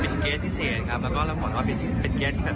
เป็นเสิร์ฟที่ขึ้นกับพี่ตูนด้วยนะครับ